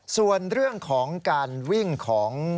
ส่วนเรื่องของการวิ่งของ